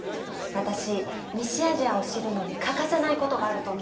私「西アジア」を知るのに欠かせないことがあると思うんです。